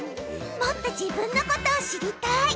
もっと自分のことを知りたい！